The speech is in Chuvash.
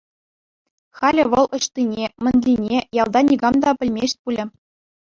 Халӗ вӑл ӑҫтине, мӗнлине ялта никам та пӗлмест пулӗ.